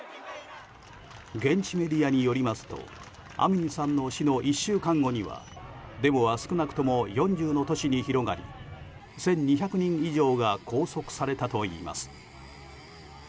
現地メディアによりますとアミニさんの死の１週間後にはデモは少なくとも４０の都市に広がり１２００人以上が拘束されたといいます。